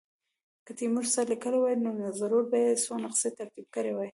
که تیمور څه لیکلي وای نو ضرور به یې څو نسخې ترتیب کړې وای.